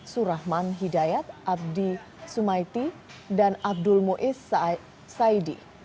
surahman hidayat abdi sumaiti dan abdul muiz saidi